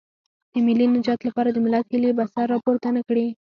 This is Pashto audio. د ملي نجات لپاره د ملت هیلې به سر راپورته نه کړي.